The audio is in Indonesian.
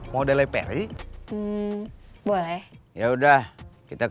wedi ngapain ya kak